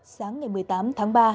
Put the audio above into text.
sáng ngày một mươi tám tháng ba